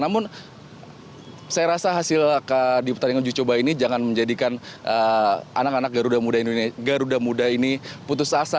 namun saya rasa hasil di pertandingan uji coba ini jangan menjadikan anak anak garuda muda ini putus asa